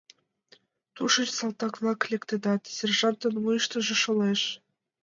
Тушеч салтак-влак лектедат...» — сержантын вуйыштыжо шолеш.